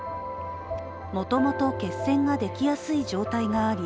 もともと、血栓ができやすい状態があり